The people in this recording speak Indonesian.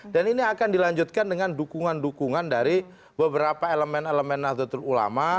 dan ini akan dilanjutkan dengan dukungan dukungan dari beberapa elemen elemen nahdlatul ulama